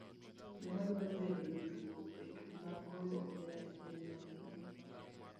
Joma dwaro bedo jotugo e tuke mag goyo opira e piny mangima